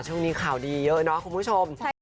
ช่วงนี้ข่าวดีเยอะเนาะคุณผู้ชม